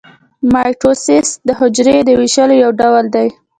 مایټوسیس د حجرې د ویشلو یو ډول دی